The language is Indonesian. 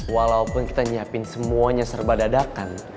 walaupun kita nyiapin semuanya serba dadakan